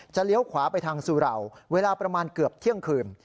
เลี้ยวขวาไปทางสุเหล่าเวลาประมาณเกือบเที่ยงคืน